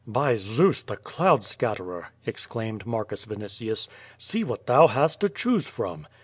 "By Zeus, the cloud scatterer," exclaimed Marcus Vinitius. "See what thou bast to choose from."